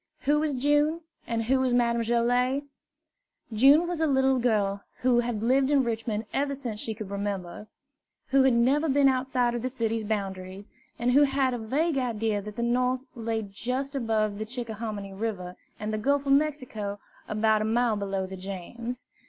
Who was June? and who was Madame Joilet? June was a little girl who had lived in Richmond ever since she could remember, who had never been outside of the city's boundaries, and who had a vague idea that the North lay just above the Chick ahominy River and the Gulf of Mexico about a mile below the James.